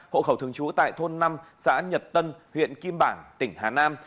hộ khẩu thường trú tại thôn năm xã nhật tân huyện kim bảng tỉnh hà nam